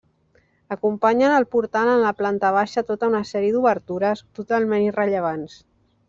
Acompanyen el portal en la planta baixa tota una sèrie d'obertures totalment irrellevants.